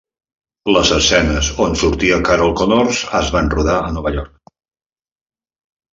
Les escenes on sortia Carol Connors es van rodar a Nova York.